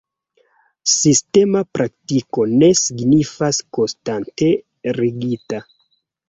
Sistema praktiko ne signifas konstante rigida.